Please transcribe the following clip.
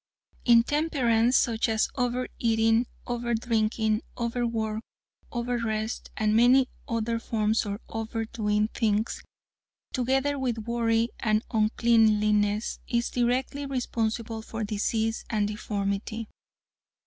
"Intemperance, such as over eating, over drinking, over work, over rest, and many other forms of over doing things, together with worry and uncleanliness, is directly responsible for disease and deformity.